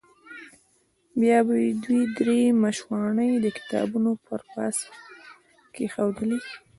بیا به یې دوې درې مشواڼۍ د کتابونو پر پاسه کېښودلې.